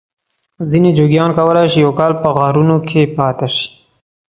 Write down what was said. ځینې جوګیان کولای شي یو کال په غارونو کې پاته شي.